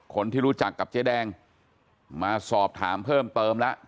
คนที่รู้จักกับเจ๊แดงมาสอบถามเพิ่มเติมแล้ว